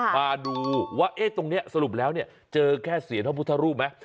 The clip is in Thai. มาดูว่าตรงนี้สรุปแล้วเจอแค่เสียงพระพุทธรูปไหม